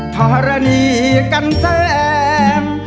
ธรณีกันแสง